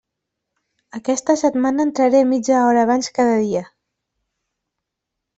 Aquesta setmana entraré mitja hora abans cada dia.